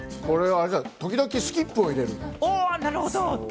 時々、スキップを入れる。